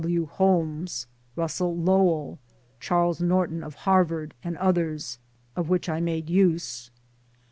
W. Holmes, Russell Lowell, Charles Norton of Harvard and others of which I made use.